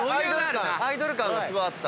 アイドル感がすごいあった。